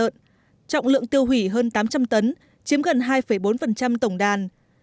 trọng lượng tiêu hủy hơn tám trăm linh tấn chiếm gần hai bốn tổng đàn